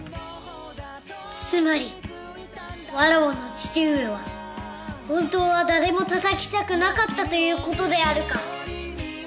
つまりわらわの父上は本当は誰もたたきたくなかったという事であるか！